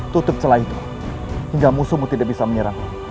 tutup celah itu hingga musuhmu tidak bisa menyerang